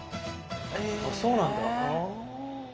あそうなんだ。